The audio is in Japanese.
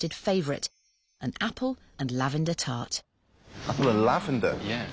はい。